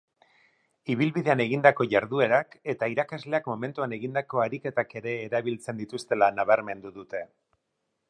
Ibilbidean egindako jarduerak eta irakasleak momentuan egindako ariketak ere erabiltzen dituztela nabarmendu dute.